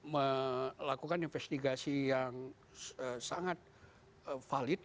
melakukan investigasi yang sangat valid